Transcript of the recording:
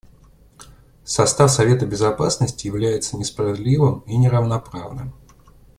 Состав Совета Безопасности является несправедливым и неравноправным.